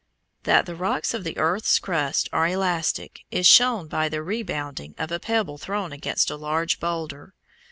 That the rocks of the earth's crust are elastic is shown by the rebounding of a pebble thrown against a large boulder.